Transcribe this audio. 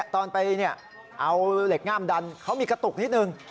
ตอนไปเอาเหล็กง่ามดันเขามีกระตุกนิดนึง